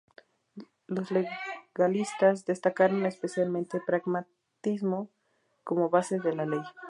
Los legalistas destacaron especialmente pragmatismo como base de la ley.